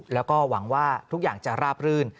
แล้วก็หวังว่าทุกอย่างจะราบรื่น